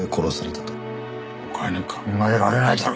他に考えられないだろ。